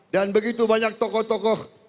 begitu banyak tokoh tokoh